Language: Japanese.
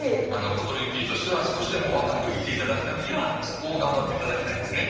コトリンキーとしては少しでも若くいていただくためにはそこを頑張っていただきたいですね。